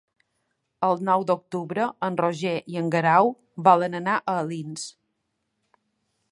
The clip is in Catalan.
El nou d'octubre en Roger i en Guerau volen anar a Alins.